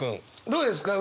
どうですか？